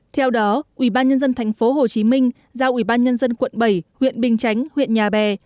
theo đó ubnd tp hcm giao ubnd quận bảy huyện bình chánh huyện nhà bè